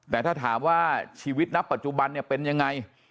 แต่ถ้าถามว่าชีวิตณปัจจุบันเนี่ยเป็นยังไง